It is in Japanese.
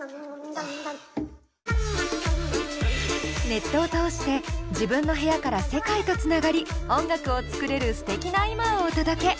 ネットを通して自分の部屋から世界とつながり音楽を作れるすてきな今をお届け！